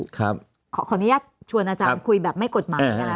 ขออนุญาตชวนอาจารย์คุยแบบไม่กฎหมายนะคะ